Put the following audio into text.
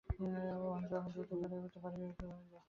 মহেন্দ্র আবার দ্রুত ঘর হইতে বাহির হইল।